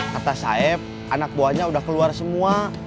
kata saib anak buahnya udah keluar semua